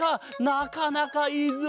なかなかいいぞ！